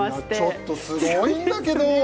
ちょっとすごいんだけど。